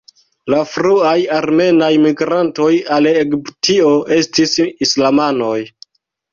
La fruaj armenaj migrantoj al Egiptio estis islamanoj.